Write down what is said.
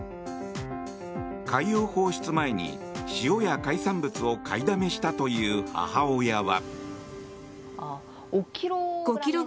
海洋放出前に塩や海産物を買いだめしたという母親は。